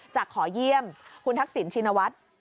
จะขอเยี่ยมคุณทักษิณชินวัฒน์